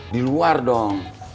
di luar dong